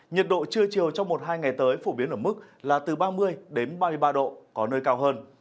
nhiệt độ trưa chiều trong một hai ngày tới phổ biến ở mức là từ ba mươi ba mươi ba độ có nơi cao hơn